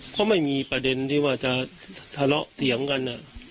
เพราะไม่มีประเด็นที่ว่าจะทะเลาะเถียงกัน